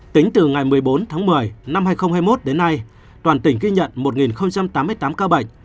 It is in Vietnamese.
tính từ ngày một mươi bốn tháng một mươi năm hai nghìn hai mươi một đến nay toàn tỉnh ghi nhận một tám mươi tám ca bệnh